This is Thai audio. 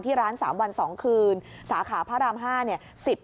ร้าน๓วัน๒คืนสาขาพระราม๕เนี่ย